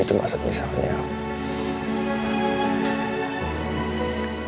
itu bener bener saya ingin nanya sama lo